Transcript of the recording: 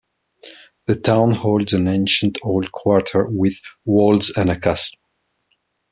The town holds an ancient old quarter with walls and a castle.